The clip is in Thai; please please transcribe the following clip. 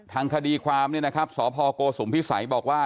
ทางคดีความเนี่ยนะครับสพโกสุมพิสัยบอกว่า